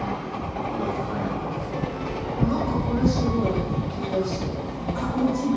なんかこれすごい切りやすいこの丸。